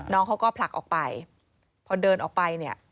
น้องเขาก็ผลักออกไปพอเดินออกไปเนี่ย